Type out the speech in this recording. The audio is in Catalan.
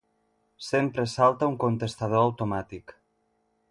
Sempre salta un contestador automàtic.